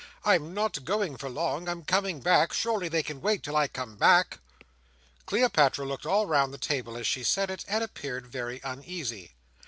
I'm not going for long. I'm coming back. Surely they can wait, till I come back!" Cleopatra looked all round the table as she said it, and appeared very uneasy.